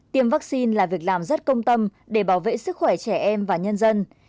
tiêm vaccine là việc làm rất công tâm để bảo vệ sức khỏe trẻ em và nhân dân